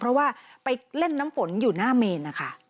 ก็ไปเล่นน้ำฝนอยู่หน้าเมน